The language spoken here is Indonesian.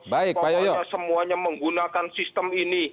pokoknya semuanya menggunakan sistem ini